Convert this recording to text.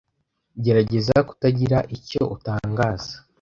Gerageza kutagira icyo utangaza.